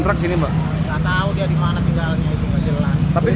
tapi disini dia namu apa gimana pak